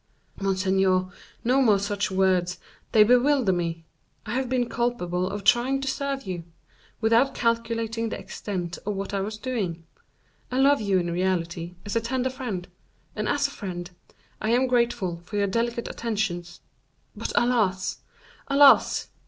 "Monseigneur, no more such words, they bewilder me; I have been culpable in trying to serve you, without calculating the extent of what I was doing. I love you in reality, as a tender friend; and as a friend, I am grateful for your delicate attentions—but, alas!—alas!